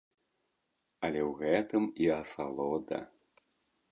Але ў гэтым і асалода.